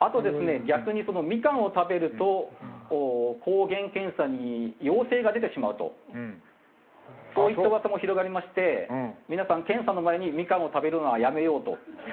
逆にミカンを食べると抗原検査に陽性が出てしまうとそういった噂も広がりまして皆さん検査の前にミカンを食べるのはやめようと。